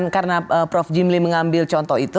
karena prof jimli mengambil contoh itu